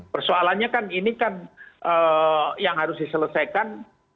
persoalannya kan ini kan yang harus diselesaikan